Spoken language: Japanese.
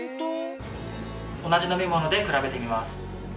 同じ飲み物で比べてみます。